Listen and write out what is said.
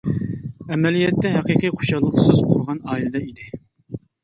ئەمەلىيەتتە ھەقىقىي خۇشاللىق سىز قۇرغان ئائىلىدە ئىدى.